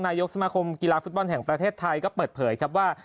นายกสมาคมกีฬาฟุตบอลแห่งประเทศไทยก็เปิดเผยครับว่า